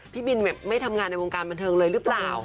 พี่บินไม่ทำงานในวงการบันเทิงเลยหรือเปล่า